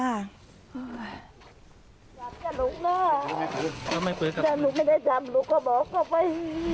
จำกับลูกล่ะจำลูกไม่ได้จำลูกก็บอกเข้าไป